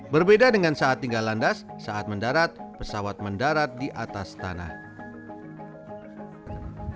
berbeda dengan saat tinggal landas saat mendarat pesawat mendarat di atas tanah